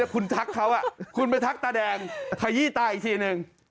คุณทักเขาคุณไปทักตาแดงขยี้ตาอีกทีหนึ่ง